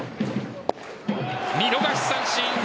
見逃し三振。